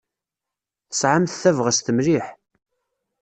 Tesɛamt tabɣest mliḥ.